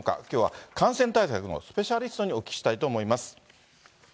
きょうは感染対策のスペシャリストにお聞きしたいと思います。